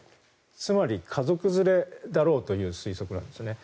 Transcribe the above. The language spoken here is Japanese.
つまり家族連れだろうという推測なんですよね。